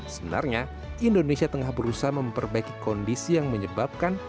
sebenarnya indonesia tengah berusaha memperbaiki kondisi yang menyebabkan